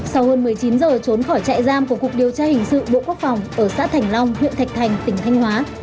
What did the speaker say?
sau hơn một mươi chín giờ trốn khỏi trại giam của cục điều tra hình sự bộ quốc phòng ở xã thành long huyện thạch thành tỉnh thanh hóa